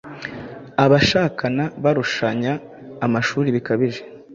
Abashakana barushanya amashuri bikabije